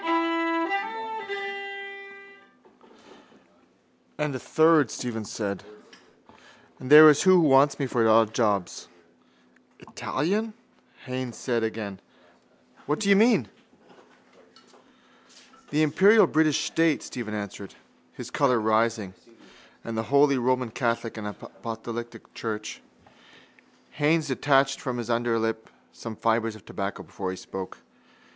—And a third, Stephen said, there is who wants me for odd jobs. —Italian? Haines said again. What do you mean? —The imperial British state, Stephen answered, his colour rising, and the holy Roman catholic and apostolic church. Haines detached from his underlip some fibres of tobacco before he spoke.